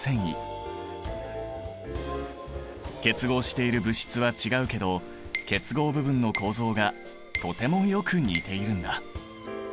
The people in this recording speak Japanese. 結合している物質は違うけど結合部分の構造がとてもよく似ているんだ。